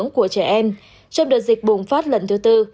của trẻ em trong đợt dịch bùng phát lần thứ tư